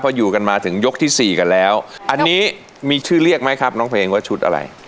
พออยู่กันมาถึงยกที่สี่กันแล้วอันนี้มีชื่อเรียกไหมครับน้องเพลงว่าชุดอะไร